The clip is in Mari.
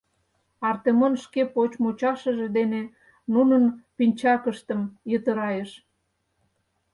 Артемон шке поч мучашыже дене нунын пинчакыштым йытырайыш.